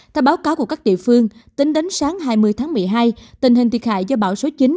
theo báo cáo của các địa phương tính đến sáng hai mươi tháng một mươi hai tình hình thiệt hại do bão số chín